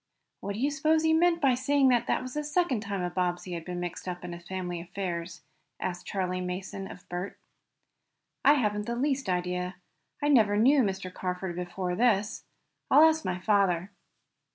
"What do you s'pose he meant by saying this was the second time a Bobbsey had been mixed up in his family affairs?" asked Charley Mason of Bert. "I haven't the least idea. I never knew Mr. Carford before this. I'll ask my father."